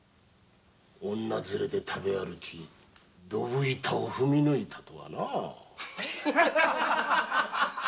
女づれで食べ歩きドブ板を踏み抜いたとはな。